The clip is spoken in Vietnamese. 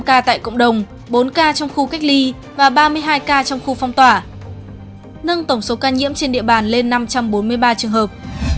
một ca tại cộng đồng bốn ca trong khu cách ly và ba mươi hai ca trong khu phong tỏa nâng tổng số ca nhiễm trên địa bàn lên năm trăm bốn mươi ba trường hợp